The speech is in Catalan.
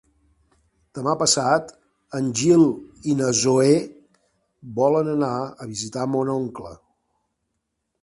Demà passat en Gil i na Zoè volen anar a visitar mon oncle.